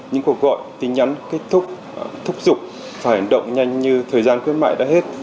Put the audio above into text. những cuộc gọi tin nhắn kết thúc thúc giục phải động nhanh như thời gian khuyến mại đã hết